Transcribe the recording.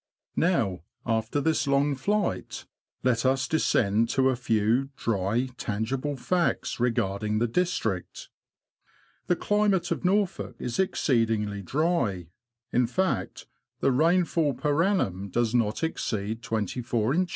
Now, after this long flight, let us descend to a few dry, tangible facts regarding the district. The chmate of Norfolk is exceedingly dry ; in fact, the rainfall per annum does not exceed 24in.